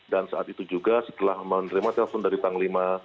saat itu juga setelah menerima telepon dari panglima